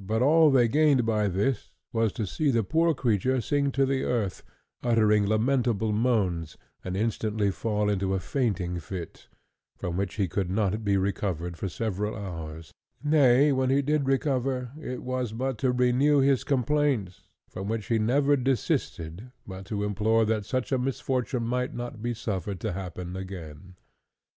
But all they gained by this was to see the poor creature sink to the earth, uttering lamentable moans, and instantly fall into a fainting fit, from which he could not be recovered for several hours; nay, when he did recover, it was but to renew his complaints, from which he never desisted but to implore that such a misfortune might not be suffered to happen again.